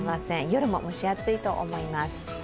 夜も蒸し暑いと思います。